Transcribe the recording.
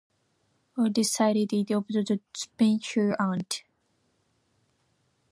‘Oh, decidedly,’ observed the spinster aunt.